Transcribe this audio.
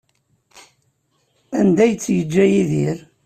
Anda ay tt-yeǧǧa Yidir?